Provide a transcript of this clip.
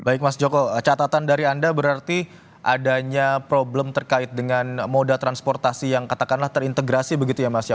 baik mas joko catatan dari anda berarti adanya problem terkait dengan moda transportasi yang katakanlah terintegrasi begitu ya mas ya